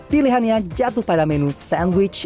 pilihannya jatuh pada menu sandwich